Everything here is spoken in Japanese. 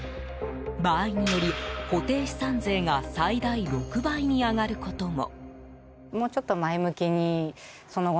場合により、固定資産税が最大６倍に上がることも。